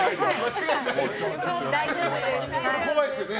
怖いですよね。